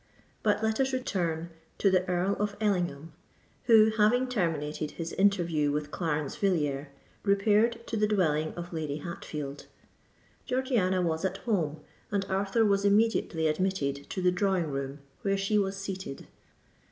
But let us return to the Earl of Ellingham, who, having terminated his interview with Clarence Villiers, repaired to the dwelling of Lady Hatfield. Georgiana was at home, and Arthur was immediately admitted to the drawing room where she was seated.